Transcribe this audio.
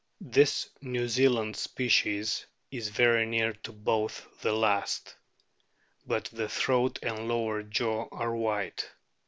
This New Zealand species is very near to both the last. But the throat and lower jaw are white.